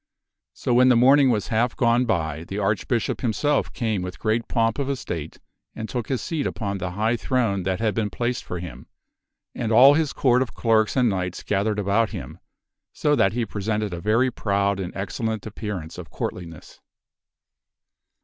So, when the morning was half gone by, the Archbishop himself came with great pomp of estate and took his seat upon the high throne that had been placed for him, and all his court of clerks and knights gathered about him, so that he presented a very proud and excellent appearance of courtliness.